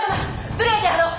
無礼であろう！